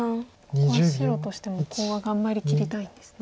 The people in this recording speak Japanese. ここは白としてもコウは頑張りきりたいんですね。